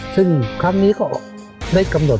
ซึ่งครั้งนี้ก็ได้กำหนด